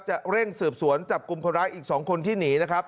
จะเร่งเสือบสวนจับกลุ่มคนรักอีกสองคนที่หนีนะครับ